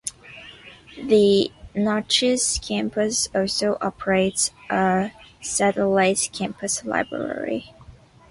The Natchez Campus also operates a satellite campus library.